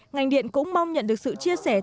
ngành điện cũng mong nhận được sự chia sẻ